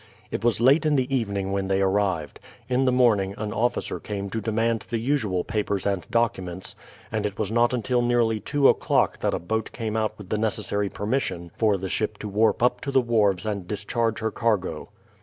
It was late in the evening when they arrived. In the morning an officer came off to demand the usual papers and documents, and it was not until nearly two o'clock that a boat came out with the necessary permission for the ship to warp up to the wharves and discharge her cargo.